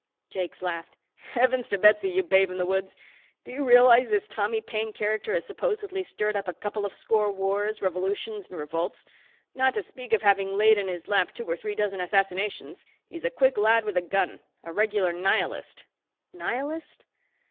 Jakes laughed. "Heavens to Betsy, you babe in the woods. Do you realize this Tommy Paine character has supposedly stirred up a couple of score wars, revolutions and revolts? Not to speak of having laid in his lap two or three dozen assassinations. He's a quick lad with a gun. A regular Nihilist." "Nihilist?"